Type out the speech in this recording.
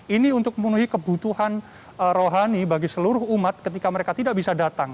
ini untuk memenuhi kebutuhan rohani bagi seluruh umat ketika mereka tidak bisa datang